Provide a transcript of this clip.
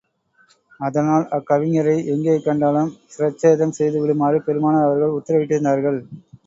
அதனால் அக்கவிஞரை எங்கே கண்டாலும் சிரச்சேதம் செய்து விடுமாறு பெருமானார் அவர்கள் உத்தரவிட்டிருந்தார்கள்.